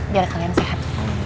biar kalian sehat